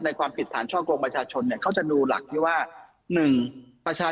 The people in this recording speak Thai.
ความผิดฐานช่อกลงประชาชนเนี่ยเขาจะดูหลักที่ว่าหนึ่งประชาชน